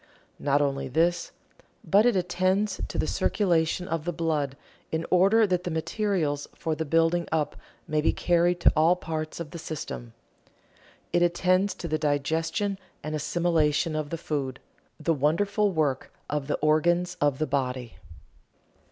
Not only this, but it attends to the circulation of the blood in order that the materials for the building up may be carried to all parts of the system. It attends to the digestion and assimilation of the food the wonderful work of the organs of the body.